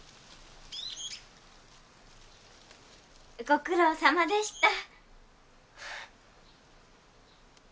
ご苦労さまでした。